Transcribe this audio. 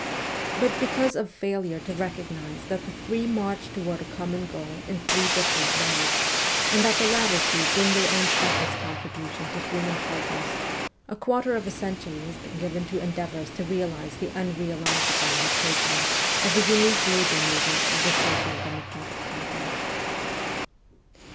But because of failure to recognize that the three march toward a common goal in three different ways, and that the two latter bring their own precious con tribution to human progress, a quarter of a century has been given to endeavours to realize the unrealizable Utopia of a unique labour movement of the social democratic pattern.